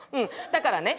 だからね